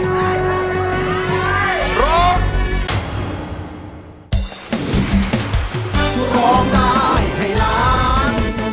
เพลงที่หนึ่งนะครับมูลค่า๕๐๐๐บาทนะครับ